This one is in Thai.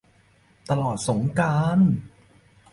ตลอดสงกรานต์ !